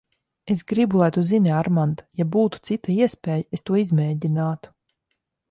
Es gribu, lai tu zini, Armand, ja būtu cita iespēja, es to izmēģinātu.